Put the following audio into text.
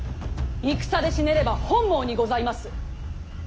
戦で死ねれば本望にございます。